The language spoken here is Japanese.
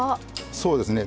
そうですね